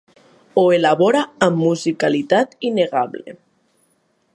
Ho elabora amb musicalitat innegable.